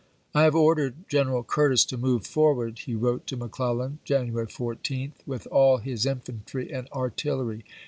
"I have ordered General Curtis to move forward," he wrote to McClellan, January 14th, " with all his infantry and artillery.